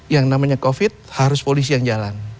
yang namanya covid harus polisi yang jalan